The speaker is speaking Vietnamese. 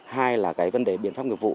hai là vấn đề biện pháp nghiệp vụ